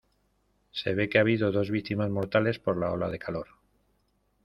Se ve que ha habido dos víctimas mortales por la ola de calor.